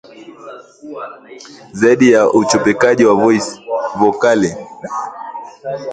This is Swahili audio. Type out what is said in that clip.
Zaidi ya uchopekaji wa vokali